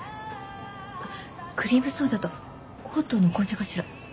あクリームソーダとホットの紅茶かしら？